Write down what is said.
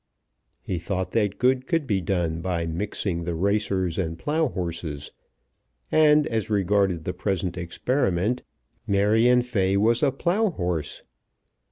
He thought that good could be done by mixing the racers and plough horses, and as regarded the present experiment, Marion Fay was a plough horse.